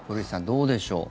どうでしょう。